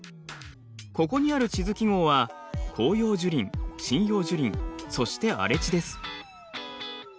ここにある地図記号は広葉樹林針葉樹林そして荒れ地です。